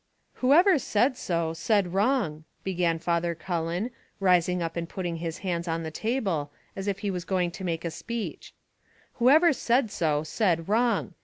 "Whoever said so, said wrong," began Father Cullen, rising up and putting his hands on the table, as if he was going to make a speech, "Whoever said so, said wrong.